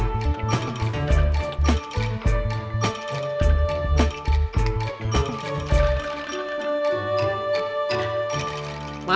kita ke terminal